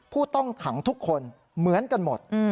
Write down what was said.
ผู้ต้องขังทุกคนเหมือนกันหมด